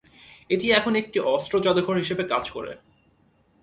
এটি এখন একটি অস্ত্র যাদুঘর হিসাবে কাজ করে।